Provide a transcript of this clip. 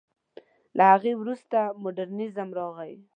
له هغې وروسته مډرنېزم راغی.